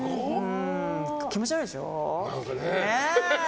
気持ち悪いでしょ。